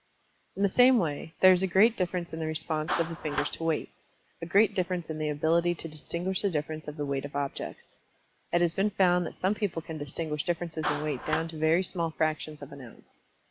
In the same way, there is a great difference in the response of the fingers to weight a great difference in the ability to distinguish the difference of the weight of objects. It has been found that some people can distinguish differences in weight down to very small fractions of an ounce.